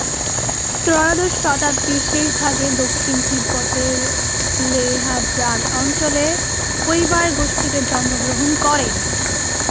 ল্হো-ব্রাগ-র্গ্যাল-স্রাস-ব্জাং-পো ত্রয়োদশ শতাব্দীর শেষ ভাগে দক্ষিণ তিব্বতের ল্হো-ব্রাগ অঞ্চলে শুদ-বু পরিবারগোষ্ঠীতে জন্মগ্রহণ করেন।